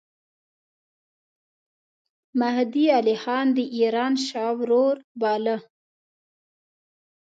مهدي علي خان د ایران شاه وروباله.